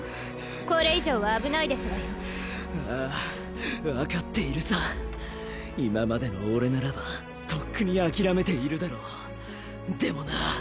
これ以上は危ないですわよああ分かっているさ今までの俺ならばとっくに諦めているだろうでもな